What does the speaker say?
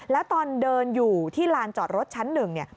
แล้วตอนเดินอยู่ที่ลานจอดรถชั้นหนึ่งเนี่ย